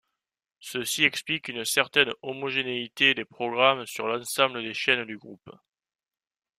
Ceci explique une certaine homogénéité des programmes sur l'ensemble des chaînes du groupe.